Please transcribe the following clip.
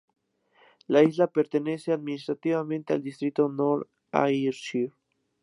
La isla pertenece administrativamente al distrito de North Ayrshire.